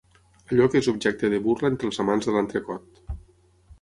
Allò que és objecte de burla entre els amants de l'entrecot.